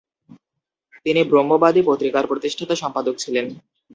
তিনি ব্রহ্মবাদী পত্রিকার প্রতিষ্ঠাতা সম্পাদক ছিলেন।